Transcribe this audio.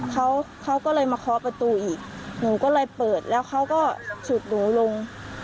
เขาเขาก็เลยมาเคาะประตูอีกหนูก็เลยเปิดแล้วเขาก็ฉุดหนูลง